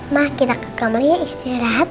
ma kita ke kameranya istirahat